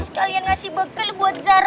sekalian ngasih bekal buat zar